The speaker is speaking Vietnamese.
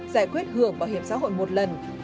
giải quyết hưởng bảo hiểm xã hội một lần